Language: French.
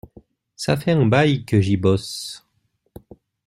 Ça fait un bail que j’y bosse.